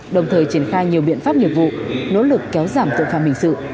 đồng thời triển khai nhiều biện pháp nghiệp vụ nỗ lực kéo giảm tội phạm hình sự